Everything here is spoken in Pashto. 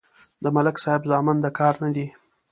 د ملک صاحب زامن د کار نه دي.